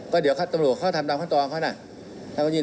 ก็เดี๋ยวตำรวจเขาทำตามขั้นตอนเขานะ